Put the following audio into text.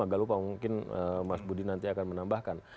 agak lupa mungkin mas budi nanti akan menambahkan